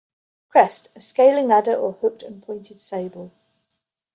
Crest: A scaling ladder or, hooked and pointed sable.